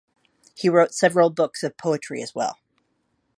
He wrote several books of poetry as well.